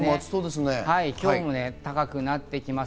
今日も気温が高くなって来ます。